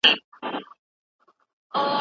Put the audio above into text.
شاګرد باید په خپله موضوع حاکم وي.